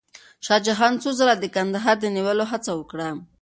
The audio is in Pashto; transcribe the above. شاه جهان څو ځله د کندهار د نیولو هڅه وکړه.